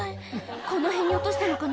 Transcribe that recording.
この辺に落としたのかな？